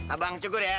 abang cukur ya